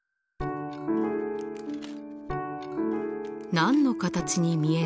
何の形に見える？